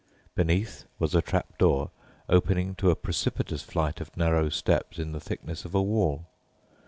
Beneath was a trap door opening to a precipitous flight of narrow steps in the thickness of a wall.